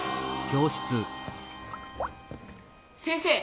先生。